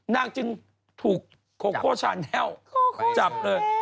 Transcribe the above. นางจึงถูกโคโคชาแนลจับเลย